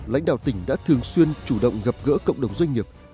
lãnh đạo tỉnh đã thường xuyên chủ động gặp gỡ cộng đồng doanh nghiệp